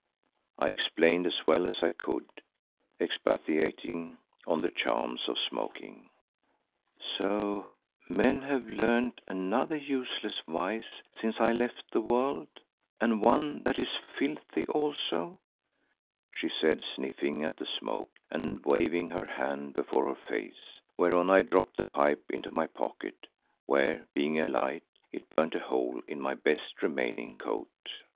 I explained as well as I could, expatiating on the charms of smoking. "So men have learned another useless vice since I left the world, and one that is filthy also," she said, sniffing at the smoke and waving her hand before her face, whereon I dropped the pipe into my pocket, where, being alight, it burnt a hole in my best remaining coat.